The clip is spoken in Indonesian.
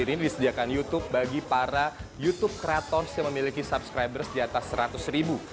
dan ini disediakan youtube bagi para youtube kreators yang memiliki subscribers diatas seratus ribu